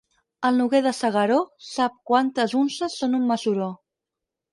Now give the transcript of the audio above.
El Noguer de S'Agaró sap quantes unces són un mesuró.